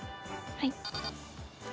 はい。